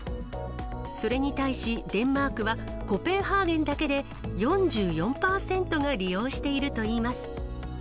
それに対し、デンマークは、コペンハーゲンだけで４４％が利用しているといいます。